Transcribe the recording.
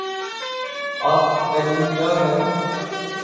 آپ کی تعلیم کیا ہے ؟